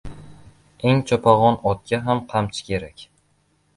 • Eng chopag‘on otga ham qamchi kerak.